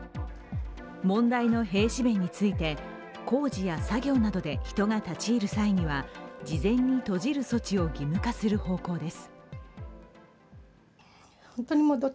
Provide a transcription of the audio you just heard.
問題の閉止弁について、工事や作業などで人が立ち入る際には事前に閉じる措置を義務化する方向です。